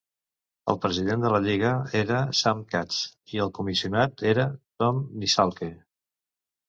El president de la lliga era Sam Katz i el comissionat era Tom Nissalke.